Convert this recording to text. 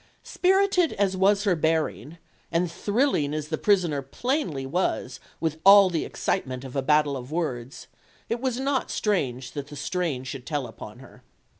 Spirited as was her bearing, and thrilling as the prisoner plainly was with all the excitement of a battle of words, it was not strange that the strain should tell upon her.